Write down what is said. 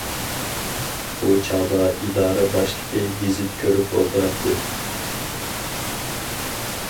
بۇ چاغدا ئىدارە باشلىقى گېزىت كۆرۈپ ئولتۇراتتى.